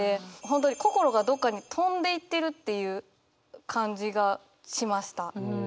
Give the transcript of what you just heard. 本当に心がどっかに飛んでいってるっていう感じがしました。